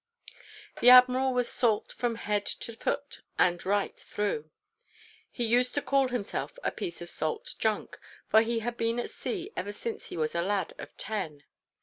The Admiral was salt from head to foot and right through. He used to call himself a piece of salt junk: for he had been at sea ever since he was a lad of ten.